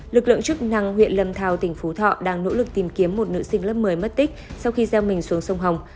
lực lượng chức năng huyện lâm thao tỉnh phú thọ đang nỗ lực tìm kiếm một nữ sinh lớp một mươi mất tích sau khi gieo mình xuống sông hồng